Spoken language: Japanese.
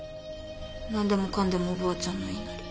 何でもかんでもおばあちゃんの言いなり。